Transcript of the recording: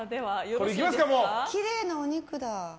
きれいなお肉だ。